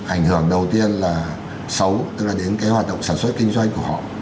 ảnh hưởng đầu tiên là xấu tức là đến cái hoạt động sản xuất kinh doanh của họ